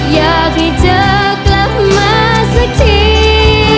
อยากให้เธอกลับมาสักที